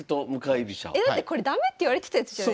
えだってこれ駄目っていわれてたやつじゃないですか。